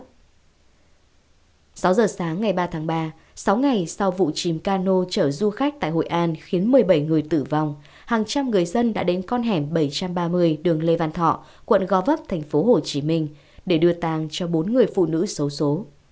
sáu giờ sáng ngày ba tháng ba sáu ngày sau vụ chìm cano chở du khách tại hội an khiến một mươi bảy người tử vong hàng trăm người dân đã đến con hẻm bảy trăm ba mươi đường lê văn thọ quận gò vấp tp hcm để đưa tàng cho bốn người phụ nữ xấu xố